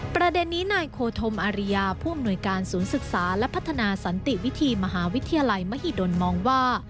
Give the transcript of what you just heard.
ประเด็นนี้นายโคธมอาริยาผู้อำนวยการศูนย์ศึกษาและพัฒนาสันติวิธีมหาวิทยาลัยมหิดลมองว่า